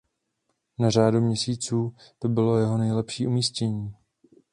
Na řadu měsíců to bylo jeho nejlepší umístění.